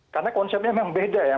karena konsepnya memang beda ya